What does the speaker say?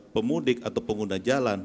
pemudik atau pengguna jalan